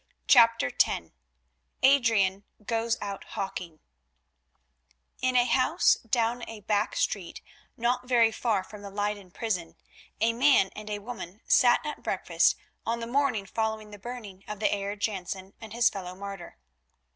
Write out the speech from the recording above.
CHAPTER X ADRIAN GOES OUT HAWKING In a house down a back street not very far from the Leyden prison, a man and a woman sat at breakfast on the morning following the burning of the Heer Jansen and his fellow martyr.